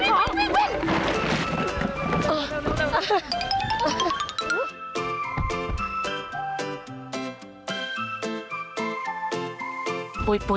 เร็ว